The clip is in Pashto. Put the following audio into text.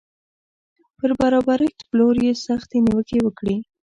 پر برابرښت پلور یې سختې نیوکې وکړې